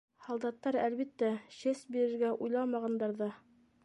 Һалдаттар, әлбиттә, честь бирергә уйламағандар ҙа.